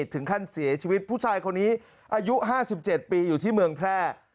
ถึงขั้นเสียชีวิตผู้ชายคนนี้อายุ๕๗ปีอยู่ที่เมืองแพร่